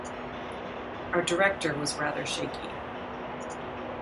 Our director was rather shaky.